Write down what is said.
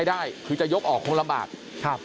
คุณภูริพัฒน์บุญนิน